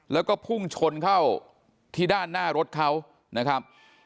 แล้วก็พุ่งชนเข้าที่ด้านหน้ารถเขานะครับ